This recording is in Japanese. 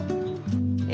え